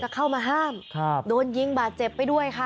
เข้ามาห้ามโดนยิงบาดเจ็บไปด้วยค่ะ